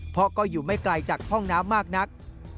เพราะก็อยู่ไม่ไกลจากห้องน้ำมากนัก